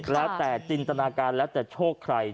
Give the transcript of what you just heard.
แล้วแต่จินตนาการแล้วแต่โชคใคร